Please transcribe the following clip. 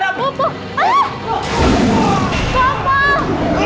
aku saya men ona